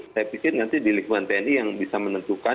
saya pikir nanti di lingkungan tni yang bisa menentukan